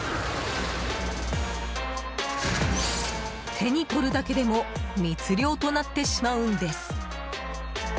手にとるだけでも密漁となってしまうんです。